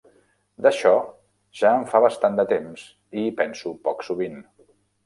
D'això ja en fa bastant de temps i hi penso poc sovint.